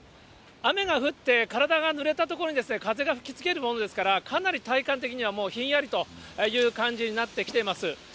雨が降って体がぬれたところに風が吹きつけるものですから、かなり体感的にはもうひんやりという感じになってきてます。